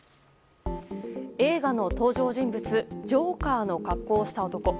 映画の登場人物ジョーカーの格好をした男。